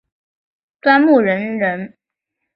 端木仁人。